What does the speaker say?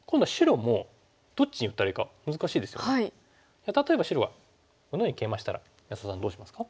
じゃあ例えば白がこのようにケイマしたら安田さんどうしますか？